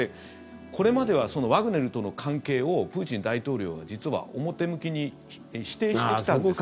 これまではワグネルとの関係をプーチン大統領が実は表向きに否定してきたんですけど。